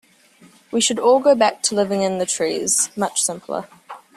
We should all go back to living in the trees, much simpler.